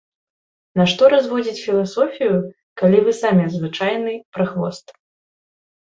Нашто разводзіць філасофію, калі вы самы звычайны прахвост.